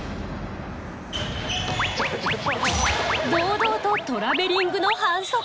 堂々とトラベリングの反則。